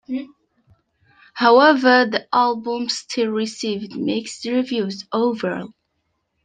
However, the album still received mixed reviews overall.